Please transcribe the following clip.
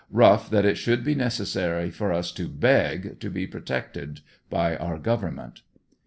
Rough that it should be necessary for us to heg to be pro tected by our government.